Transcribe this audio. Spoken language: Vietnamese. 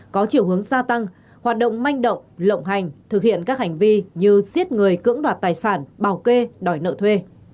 có chiều hướng gia tăng hoạt động manh động lộng hành thực hiện các hành vi như siết người cưỡng đoạt tài sản bảo kê đòi nợ thuê